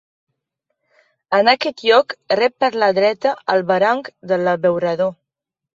En aquest lloc rep per la dreta el barranc de l'Abeurador.